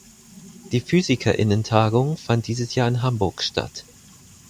Die Physiker:innentagung fand dieses Jahr in Hamburg statt.